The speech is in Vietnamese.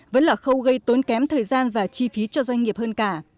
vẫn là khâu gây tốn kém thời gian và chi phí cho doanh nghiệp hơn cả